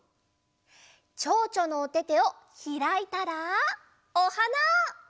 ちょうちょのおててをひらいたらおはな！